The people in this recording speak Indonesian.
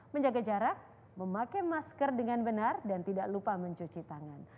menjaga jarak memakai masker dengan benar dan tidak lupa mencuci tangan